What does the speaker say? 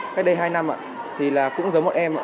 cách đây hai năm thì cũng giống một em